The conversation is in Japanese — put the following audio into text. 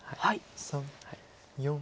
３４。